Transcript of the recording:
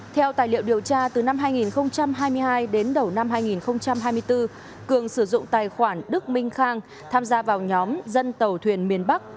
theo tài liệu điều tra từ năm hai nghìn hai mươi hai đến đầu năm hai nghìn hai mươi bốn cường sử dụng tài khoản đức minh khang tham gia vào nhóm dân tàu thuyền miền bắc